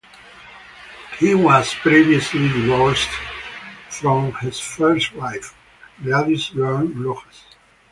He was previously divorced from his first wife, Gladys Learn Rojas.